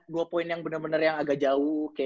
gue poin yang bener bener yang agak jauh